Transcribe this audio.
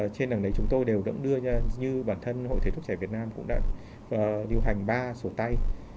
trên đằng đấy chúng tôi đều đẫm đưa như bản thân hội thế thức trẻ việt nam cũng đã điều hành ba sổ tay